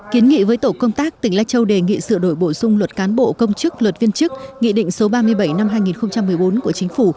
kiến nghị với tổ công tác tỉnh lai châu đề nghị sửa đổi bổ sung luật cán bộ công chức luật viên chức nghị định số ba mươi bảy năm hai nghìn một mươi bốn của chính phủ